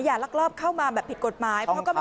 อย่าลักลอบเข้ามาแบบผิดกฎหมายเพราะก็ไม่รู้